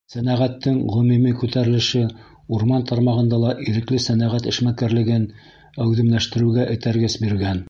Сәнәғәттең ғөмүми күтәрелеше урман тармағында ла ирекле сәнәғәт эшмәкәрлеген әүҙемләштереүгә этәргес биргән.